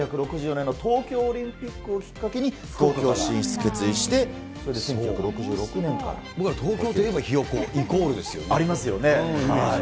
１９６４年の東京オリンピックをきっかけに、東京進出決意して、僕は東京といえばひよ子、ありますよね。